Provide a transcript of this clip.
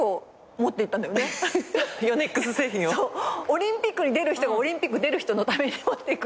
オリンピックに出る人がオリンピック出る人のために持ってく。